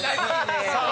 さあ